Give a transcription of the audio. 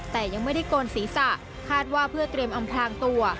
แต่ยังไม่ได้โกนศีรษะคาดว่าเพื่อเตรียมอำพลางตัว